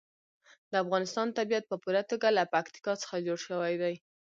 د افغانستان طبیعت په پوره توګه له پکتیکا څخه جوړ شوی دی.